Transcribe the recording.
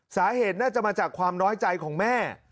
สาเหตุน่าจะมาจากความน้อยใจของแม่